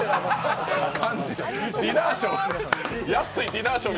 ディナーショー。